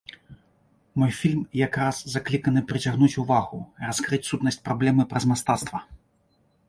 Мой фільм як раз закліканы прыцягнуць увагу, раскрыць сутнасць праблемы праз мастацтва.